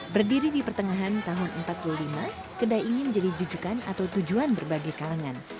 berdiri di pertengahan tahun seribu sembilan ratus empat puluh lima kedai ini menjadi jujukan atau tujuan berbagai kalangan